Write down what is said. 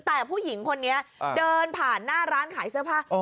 แต่ผู้หญิงคนนี้เดินผ่านหน้าร้านขายเสื้อผ้า